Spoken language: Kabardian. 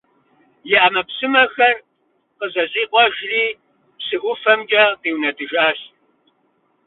И Ӏэмэпсымэхэр къызэщӀикъуэжри, псы ӀуфэмкӀэ къиунэтӀыжащ.